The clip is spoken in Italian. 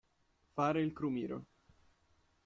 Fare il crumiro.